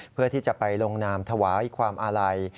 เพื่อที่จะไปลงนามถวายความอาลัย